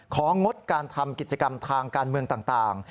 งดการทำกิจกรรมทางการเมืองต่าง